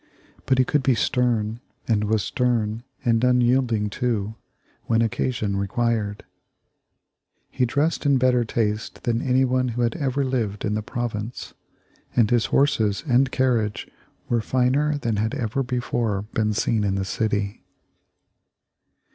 But he could be stern, and was stern and unyielding, too, when occasion required. He dressed in better taste than anyone who had ever lived in the province, and his horses and carriage were finer than had ever before been seen in the city.